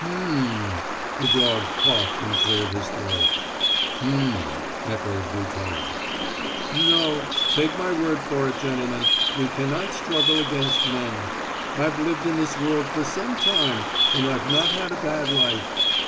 "H'm." The dog coughed and cleared his throat. "H'm," echoed Bouton. "No, take my word for it, gentlemen, we cannot struggle against men. I've lived in this world for some time, and I've not had a bad life....